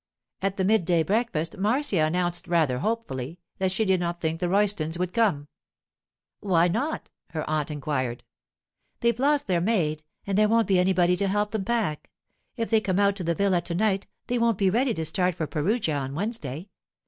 At the mid day breakfast Marcia announced rather hopefully that she did not think the Roystons would come. 'Why not?' her aunt inquired. 'They've lost their maid, and there won't be anybody to help them pack. If they come out to the villa to night they won't be ready to start for Perugia on Wednesday.